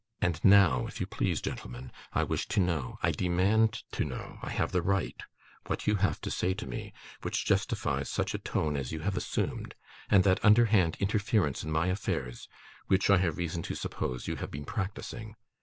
And now, if you please, gentlemen, I wish to know I demand to know; I have the right what you have to say to me, which justifies such a tone as you have assumed, and that underhand interference in my affairs which, I have reason to suppose, you have been practising.